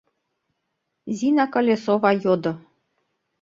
— Зина Колесова йодо.